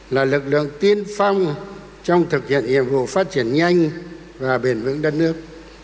là lực lượng tiên phong trong thực hiện nhiệm vụ phát triển nhanh và bền vững đất nước